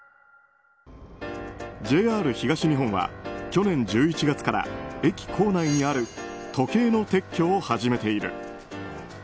ＪＲ東日本は去年１１月から駅構内にある時計の撤去を始めている。